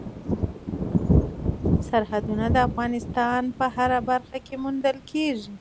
سرحدونه د افغانستان په هره برخه کې موندل کېږي.